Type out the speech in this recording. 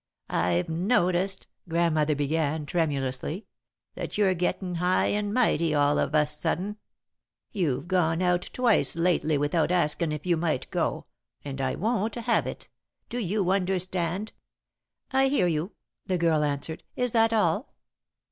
"I've noticed," Grandmother began, tremulously, "that you're getting high and mighty all of a sudden. You've gone out twice lately without askin' if you might go, and I won't have it. Do you understand?" "I hear you," the girl answered. "Is that all?"